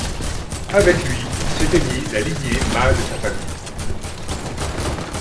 Avec lui s'éteignit la lignée mâle de sa famille.